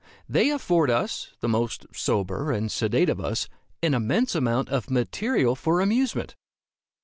They afford us, the most sober and sedate of us, an immense amount of material for amusement.